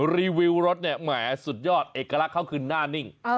รีวิวรถเนี่ยแหมสุดยอดเอกลักษณ์เขาคือหน้านิ่ง